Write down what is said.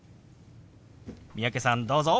三宅さんどうぞ。